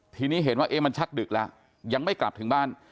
ทีนี้เห็นว่ามันชักดึกแล้วยังไม่กลับถึงบ้าน